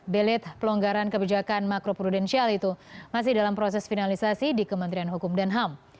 belit pelonggaran kebijakan makro prudensial itu masih dalam proses finalisasi di kementerian hukum dan ham